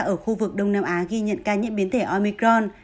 ở khu vực đông nam á ghi nhận ca nhiễm biến thể omicron